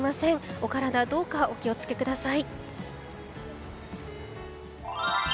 お体、どうかお気を付けください。